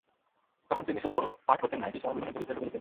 তখন তিনি শুধু পাঠ করতেন না, একই সময়ে বিভিন্ন চরিত্রে ঢুকে যেতেন।